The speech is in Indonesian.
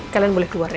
kalian boleh keluar ya